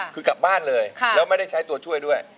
คือกลับบ้านเลยแล้วไม่ได้ใช้ตัวช่วยด้วย